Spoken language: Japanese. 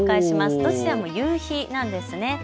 どちらも夕日なんですね。